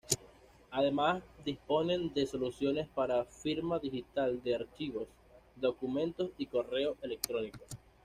Además disponen de soluciones para firma digital de archivos, documentos y correo electrónico.